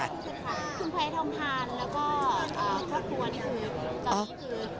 คุณไพรท่องทานแล้วก็ครอบครัวนี่คือ